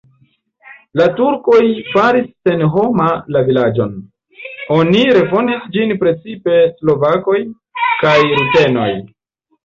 La turkoj faris senhoma la vilaĝon, oni refondis ĝin precipe slovakoj kaj rutenoj.